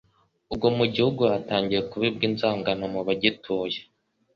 Ubwo mu gihugu hatangiye kubibwa inzangano mu bagituye,